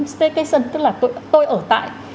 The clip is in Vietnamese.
staycation tức là tôi ở tại